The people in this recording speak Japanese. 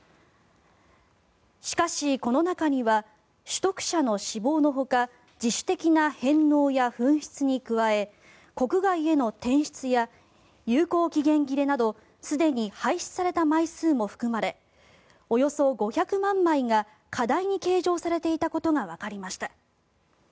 しかし、この中には取得者の死亡のほか自主的な返納や紛失に加え国外への転出や有効期限切れなどすでに廃止された枚数も含まれおよそ５００万枚が過大に計上されていたことがわかりました。